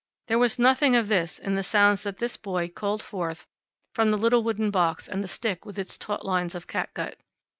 There was nothing of this in the sounds that this boy called forth from the little wooden box and the stick with its taut lines of catgut.